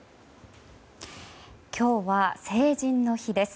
今日は、成人の日です。